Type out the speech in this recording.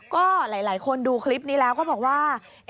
ก็หลายคนดูคลิปนี้แล้วก็บอกว่า